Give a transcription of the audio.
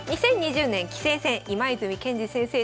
２０２０年棋聖戦今泉健司先生